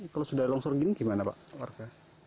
kalau sudah longsor gini gimana pak warga